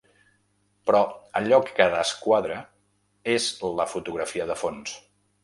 Però allò que desquadra és la fotografia de fons.